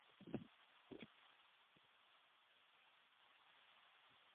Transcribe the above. Sub-glacial moraines cover much of the landscape.